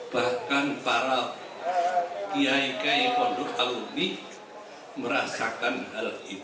bahkan para pihak pihak pondok alami merasakan hal itu